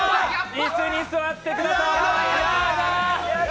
椅子に座ってください。